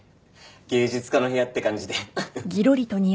芸術家の部屋って感じで。